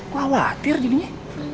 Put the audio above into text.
gua khawatir jadinya